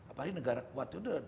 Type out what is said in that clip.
apalagi negara kuat itu